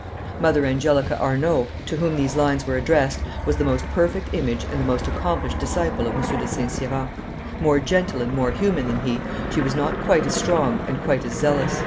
Mother Angelica Arnauld, to whom these lines were addressed, was the most perfect image and the most accomplished disciple of M. de St. Cyran. More gentle and more human than he, she was quite as strong and quite as zealous.